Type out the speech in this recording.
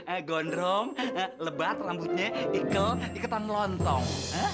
eh gondrong lebat rambutnya ikel ikutan lontong